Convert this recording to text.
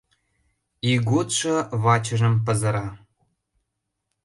Ийготшо вачыжым пызыра.